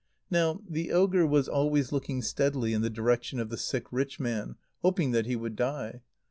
Now the ogre was always looking steadily in the direction of the sick rich man, hoping that he would die.